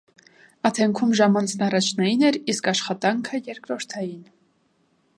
Աթենքում ժամանցն առանջնային էր, իսկ աշխատանքը՝ երկրորդային։